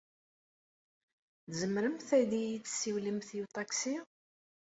Tzemremt ad yi-tessiwlemt i uṭaksi?